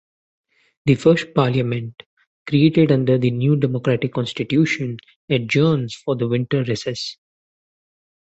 The first parliament created under the new democratic constitution adjourns for the winter recess.